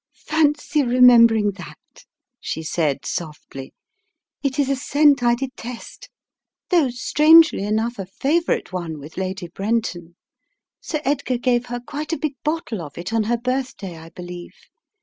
"Fancy remembering that!" she said, softly. "It is a scent I detest, though strangely enough a favour ite one with Lady Brenton. Sir Edgar gave her quite a big bottle of it on her birthday, I believe.